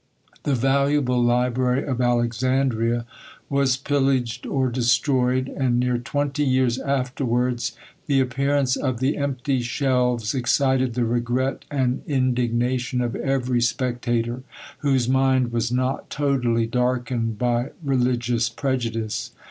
"The valuable library of Alexandria was pillaged or destroyed; and near twenty years afterwards the appearance of the empty shelves excited the regret and indignation of every spectator, whose mind was not totally darkened by religious prejudice.